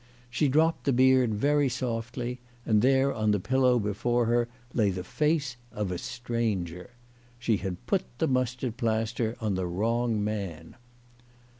She dropped the beard very softly and there on the pillow before her lay the face of a stranger. She had put the mustard plaster on the wrong man.